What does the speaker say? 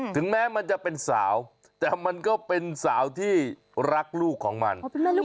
ถึงแม้มันจะเป็นสาวแต่มันก็เป็นสาวที่รักลูกของมัน